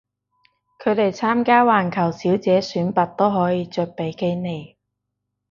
佢哋參加環球小姐選拔都可以着比基尼